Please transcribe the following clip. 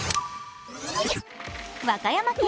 和歌山県